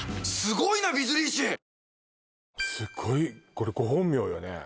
これご本名よね？